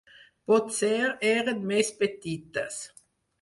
Potser eren més petites.